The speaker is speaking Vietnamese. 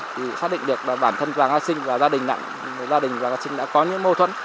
thì xác định được bản thân vàng a sinh và gia đình vàng a sinh đã có những mâu thuẫn